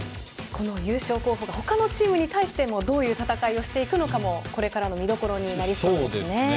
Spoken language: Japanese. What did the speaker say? この優勝候補が他のチームに対してもどういう戦いをしていくかこれからの見どころですね。